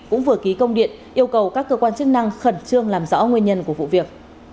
cũng vừa ký công điện yêu cầu các cơ quan chức năng khẩn trương làm rõ nguyên nhân của vụ việc